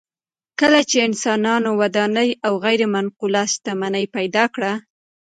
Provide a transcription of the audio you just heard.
کله چې انسانانو ودانۍ او غیر منقوله شتمني پیدا کړه